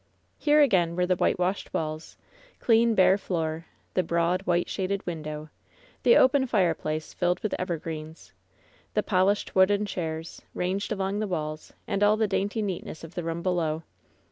Here again were the whitewashed walls, clean bare floor, the broad, white shaded window, the open fire place filled with evergreens, the polished wooden chairs, ranged along the walls, and all the dainty neatness of aOO LOVE'S BITTEREST CUP the room below.